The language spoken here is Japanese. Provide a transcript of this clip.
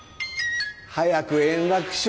早く円楽師匠